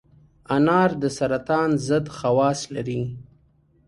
انار د سرطان ضد خواص لري.